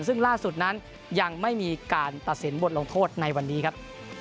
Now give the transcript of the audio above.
ซึ่งล่าสุดนั้นยังไม่มีการตัดสินบทลงโทษในวันนี้ครับ